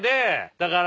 だから。